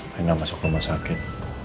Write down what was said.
saya nggak masuk rumah sakit